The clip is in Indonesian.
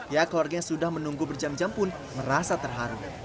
ya keluarga yang sudah menunggu berjam jam pun merasa terharu